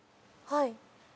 はい。